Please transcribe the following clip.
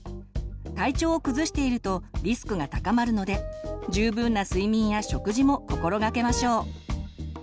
体調を崩しているとリスクが高まるので十分な睡眠や食事も心がけましょう。